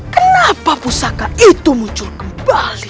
kenapa pusaka itu muncul kembali